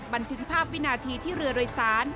บันทึกภาพวินาทีที่เรือโดยสาร